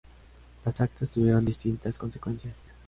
Las actas tuvieron distintas consecuencias.